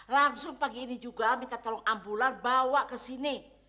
langsung pagi ini juga minta tolong ambulan bawa ke sini